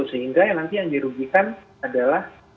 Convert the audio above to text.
sehingga yang nanti yang dirugikan adalah